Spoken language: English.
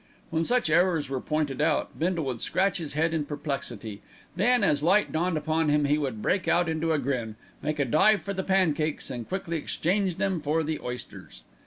When such errors were pointed out, Bindle would scratch his head in perplexity, then, as light dawned upon him, he would break out into a grin, make a dive for the pancakes and quickly exchange them for the oysters.